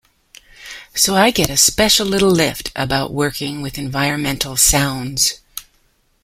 So I get a special little lift about working with environmental sounds.